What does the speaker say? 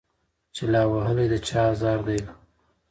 چي لا وهلی د چا آزار دی